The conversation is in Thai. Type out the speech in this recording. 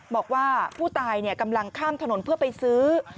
บอกว่าผู้ตายกำลังข้ามถนนเพื่อไปซื้อ